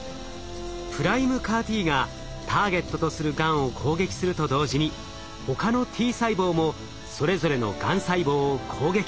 ＰＲＩＭＥＣＡＲ−Ｔがターゲットとするがんを攻撃すると同時に他のＴ細胞もそれぞれのがん細胞を攻撃。